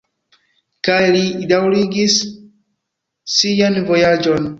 Kaj li daŭrigis sian vojaĝon.